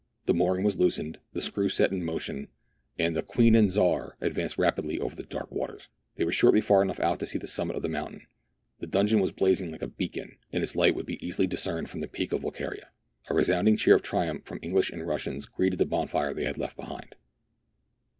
The mooring was loosened, the screw set in motion, and the " Queen and Czar" advanced rapidly over the dark waters. They were shortly far enough out to see the summit of the mountain. The donjon was blazing like a beacon, and its light would be easily discerned from the peak of Volquiria. A resounding cheer of triumph from English and Russians greeted the bonfire they had left behind.